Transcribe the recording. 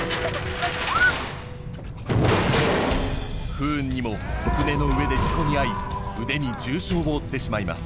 不運にも船の上で事故に遭い腕に重傷を負ってしまいます